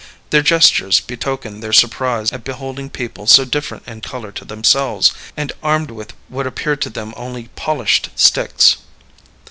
Their gestures betokened their surprise at beholding people so different in color to themselves, and armed with what appeared to them only polished sticks.